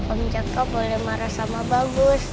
om jaka boleh marah sama bagus